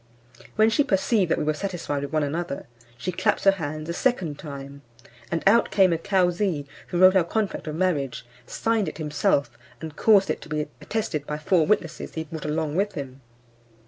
When she perceived that we were satisfied with one another, she claps her hands a second time, and out came a Cauzee, who wrote our contract of marriage, signed it himself, and caused it to be attested by four witnesses he brought along with him.